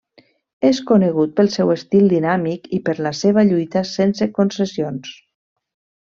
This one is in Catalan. És conegut pel seu estil dinàmic i per la seva lluita sense concessions.